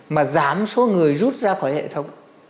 mà giảm số người rút ra khỏi hệ thống